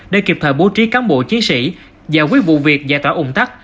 để kịp thời bố trí cán bộ chiến sĩ giải quyết vụ việc giải tỏa ủng tắc